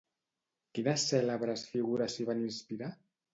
Quines cèlebres figures s'hi van inspirar?